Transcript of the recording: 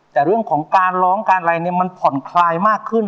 แต่เรื่องของการร้องการอะไรเนี่ยมันผ่อนคลายมากขึ้น